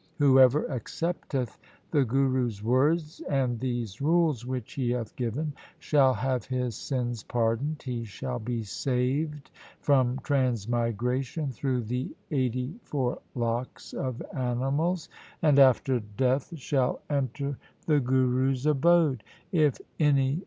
Whoever accepteth the Guru's words, and these rules which he hath given, shall have his sins pardoned ; he shall be saved from transmigration through the eighty four lakhs of animals, and after death shall enter 1 Mani Singh's Gyati Ratanawali.